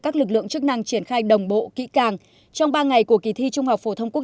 các lực lượng chức năng triển khai đồng bộ kỹ càng trong ba ngày của kỳ thi trung học phổ thông quốc